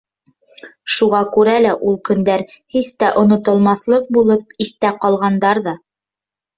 Шуға күрә лә ул көндәр һис тә онотолмаҫлыҡ булып иҫтә ҡалғандар ҙа...